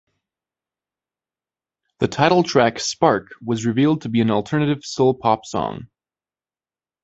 The title track "Spark" was revealed to be an alternative soul pop song.